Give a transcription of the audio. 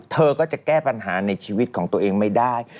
เธอก็จะแก้ปัญหาในชีวิตของตัวเองไม่ได้